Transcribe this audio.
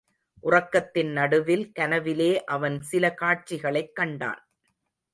உறக்கத்தின் நடுவில், கனவிலே அவன் சில காட்சிகளைக் கண்டான்.